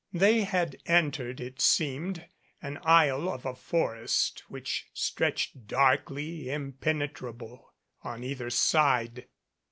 They had entered, it seemed, an aisle of a forest which stretched, darkly impenetrable, on either side.